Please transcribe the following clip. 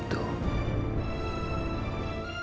kamu ngapain di sini